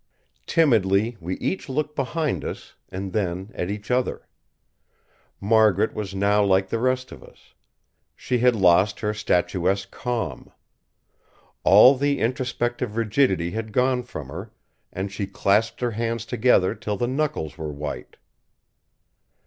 Timidly we each looked behind us, and then at each other. Margaret was now like the rest of us. She had lost her statuesque calm. All the introspective rigidity had gone from her; and she clasped her hands together till the knuckles were white.